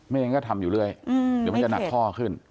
อย่างนั้นก็ทำอยู่เรื่อยเดี๋ยวมันจะหนักข้อขึ้น